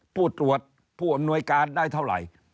ผู้ตรวจผู้อำนวยการได้เท่าไหร่